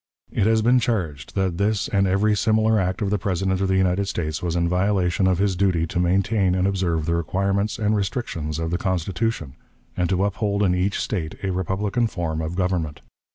It has been charged that this and every similar act of the President of the United States was in violation of his duty to maintain and observe the requirements and restrictions of the Constitution, and to uphold in each State a republican form of government.